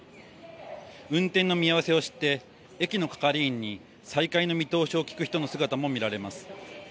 運転の見合わせを知って、駅の係員に再開の見通しを聞く人の姿も見られます。